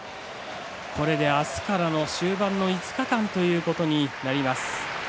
これで明日からの終盤の５日間ということになります。